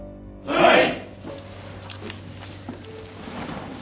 はい。